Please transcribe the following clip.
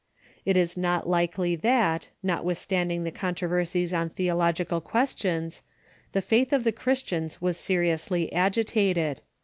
It is not likely that, notwithstanding the con troversies on theological questions, the faith of the Christians was seriously agitated.